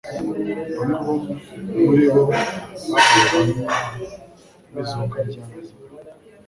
Bamwe bo muri bo bari abahamya b'izuka rya Lazaro,